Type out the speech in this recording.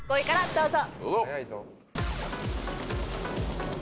どうぞ。